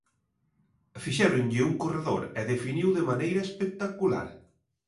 Fixéronlle un corredor e definiu de maneira espectacular.